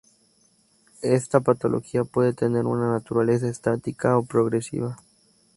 Esta patología puede tener una naturaleza estática o progresiva.